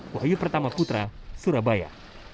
wahyu pertama putra surabaya